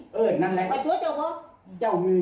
ปุ่ยถึงไปให้อ่ะนี่นี่๑๗๐๐๐๐๐๐